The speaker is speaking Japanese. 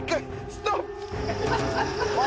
ストップ。